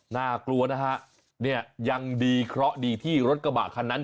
น่ากลัวนะฮะเนี่ยยังดีเคราะห์ดีที่รถกระบะคันนั้น